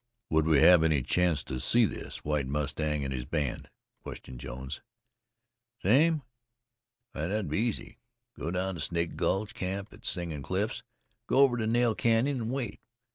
"Would we have any chance to see this White Mustang and his band?" questioned Jones. "See him? Why, thet'd be easy. Go down Snake Gulch, camp at Singin' Cliffs, go over into Nail Canyon, an' wait.